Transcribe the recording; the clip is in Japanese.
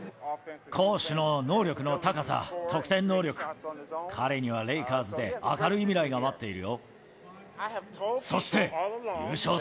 攻守の能力の高さ、得点能力、彼にはレイカーズで明るい未来が待っているよ。